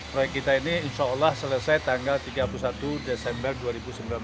proyek kita ini insya allah selesai tanggal tiga puluh satu desember dua ribu sembilan belas